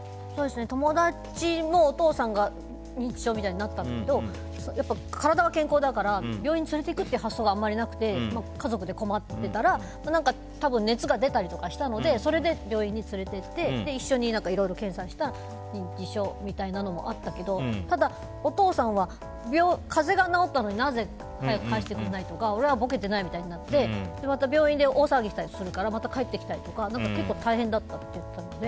友達のお父さんが認知症みたいになったんだけど体は健康だから病院に連れていくという発想がなくて家族で困ってたら多分、熱が出たりとかしたのでそれで病院に連れて行って一緒にいろいろ検査をして認知症だったっていうのがあったけどただ、お父さんは風邪が治ったのに、なぜ早く帰してくれないとか俺はボケてないみたいになってまた、病院で大騒ぎするから帰ってきたりとか結構大変だったっていうので。